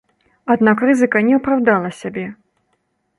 Аднак рызыка не апраўдала сябе.